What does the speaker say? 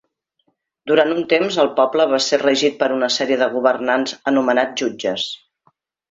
Durant un temps el poble va ser regit per una sèrie de governants anomenats jutges.